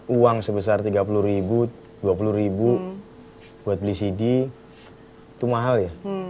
uang sebesar tiga puluh ribu dua puluh ribu buat beli cd itu mahal ya